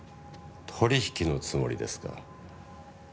取引のつもりですか？